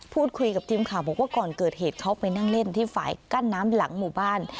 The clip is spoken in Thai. พูดคุยกับทีมข่าวบอกว่าก่อนเกิดเหตุเขาไปนั่งเล่นที่ฝ่ายกั้นน้ำหลังหมู่บ้าน